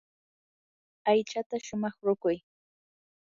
aychata shumaq ruquy.